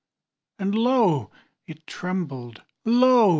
And lo! it trembled, lo!